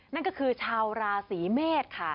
นั่นก็คือชาวราศีเมษค่ะ